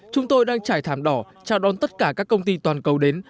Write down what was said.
chúng tôi đang trải thảm đỏ chào đón tất cả các công ty toàn cầu đến